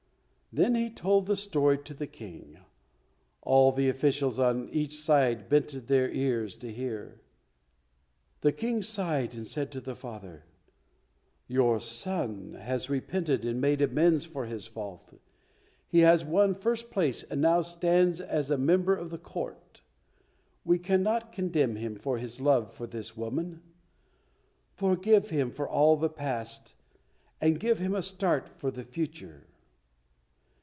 Then he told his story to the King. All the officials on each side bent their ears to hear. The King sighed, and said to the father, "Your son has repented and made amends for his fault. He has won first place and now stands as a member of the Court. We cannot condemn him for his love for this woman. Forgive him for all the past and give him a start for the future."